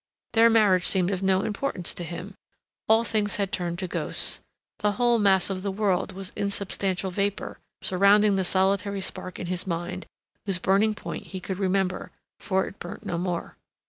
Their marriage seemed of no importance to him. All things had turned to ghosts; the whole mass of the world was insubstantial vapor, surrounding the solitary spark in his mind, whose burning point he could remember, for it burnt no more.